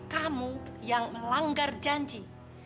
kamu yang melanggar janji